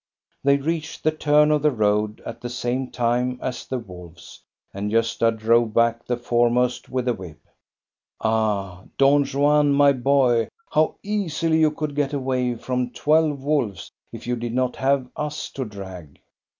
They reached the turn of the road at the same time as the wolves, and Gosta drove back the foremost with the whip. " Ah, Don Juan, my boy, how easily you could get away from twelve wolves, if you did not have us to drag."